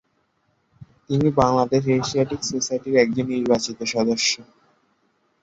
তিনি বাংলাদেশ এশিয়াটিক সোসাইটির একজন নির্বাচিত সদস্য।